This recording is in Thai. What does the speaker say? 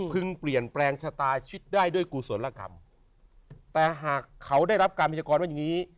เปลี่ยนแปลงชะตาชีวิตได้ด้วยกุศลกรรมแต่หากเขาได้รับการพยากรว่าอย่างนี้